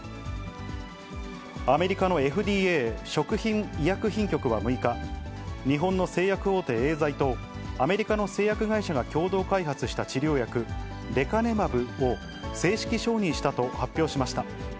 アメリカのＦＤＡ・食品医薬品局は６日、日本の製薬大手、エーザイとアメリカの製薬会社が共同開発した治療薬、レカネマブを正式承認したと発表しました。